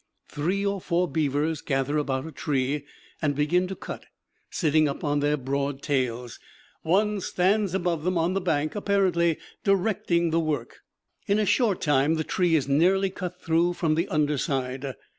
Three or four beavers gather about a tree and begin to cut, sitting up on their broad tails. One stands above them on the bank, apparently directing the work. In a short time the tree is nearly cut through from the under side.